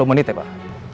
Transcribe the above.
sepuluh menit ya pak